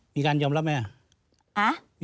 มีการยอมรับไหม